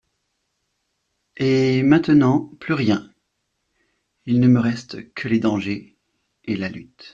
Et maintenant plus rien ! il ne me reste que les dangers et la lutte.